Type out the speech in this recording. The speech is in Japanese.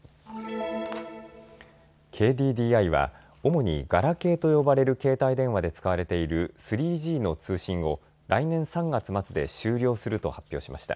ＫＤＤＩは主にガラケーと呼ばれる携帯電話で使われている３Ｇの通信を来年３月末で終了すると発表しました。